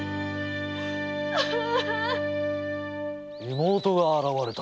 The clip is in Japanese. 妹が現れた？